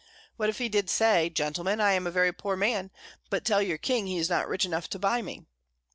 What if he did say "Gentlemen, I am a very poor man, but tell your King he is not rich enough to buy me"?